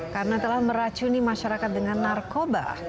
karena telah meracuni masyarakat dengan narkoba